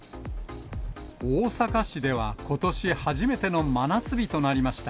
大阪市ではことし初めての真夏日となりました。